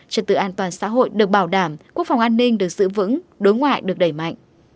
trật tự an toàn xã hội được bảo đảm quốc phòng an ninh được giữ vững đối ngoại được đẩy mạnh